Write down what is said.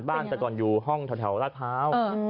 แต่ก่อนอยู่ห้องแถวราชพร้าว